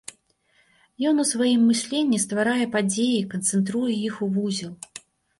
Ён у сваім мысленні стварае падзеі, канцэнтруе іх у вузел.